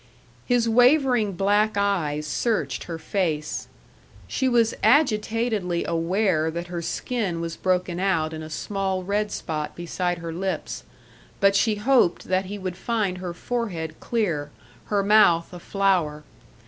His wavering black eyes searched her face. She was agitatedly aware that her skin was broken out in a small red spot beside her lips; but she hoped that he would find her forehead clear, her mouth a flower.